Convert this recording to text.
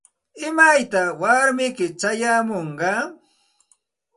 ¿Imaytaq warmiyki chayamunqa?